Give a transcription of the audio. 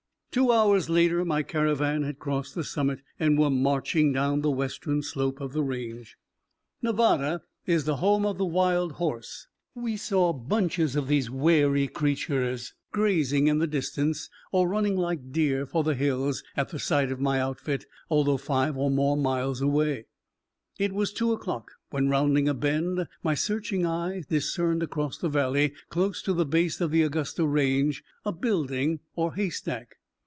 Two hours later my caravan had crossed the summit and were marching down the western slope of the range. Nevada is the home of the wild horse, and now we saw bunches of these wary creatures grazing in the distance, or running like deer for the hills at the sight of my outfit, although five and more miles away. It was 2 o'clock when, rounding a bend, my searching eye discerned across the valley, close to the base of the Augusta range, a building or hay stack.